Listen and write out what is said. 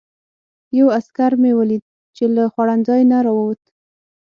یو عسکر مې ولید چې له خوړنځای نه راووت.